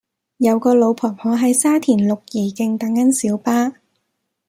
有個老婆婆喺沙田綠怡徑等緊小巴